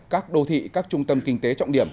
các đô thị các trung tâm kinh tế trọng điểm